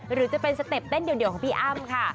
หรือจะเป็นสเต็ปเต้นเดี่ยวของพี่อ้ำค่ะ